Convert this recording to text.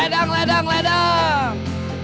ledang ledang ledang